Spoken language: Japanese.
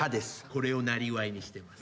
これをなりわいにしてます。